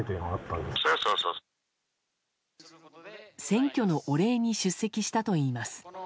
選挙のお礼に出席したといいます。